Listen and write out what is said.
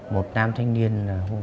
một nam thanh niên